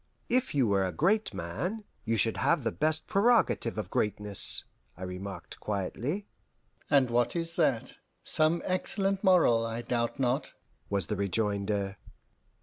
"If you were a great man, you should have the best prerogative of greatness," I remarked quietly. "And what is that? Some excellent moral, I doubt not," was the rejoinder.